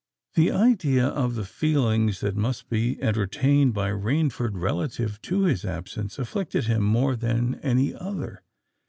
The idea of the feelings that must be entertained by Rainford relative to his absence, afflicted him more than any other.